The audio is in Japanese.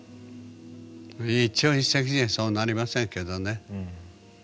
一朝一夕にはそうなりませんけどね。